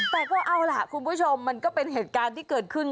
แต่ก็เอาล่ะคุณผู้ชมมันก็เป็นเหตุการณ์ที่เกิดขึ้น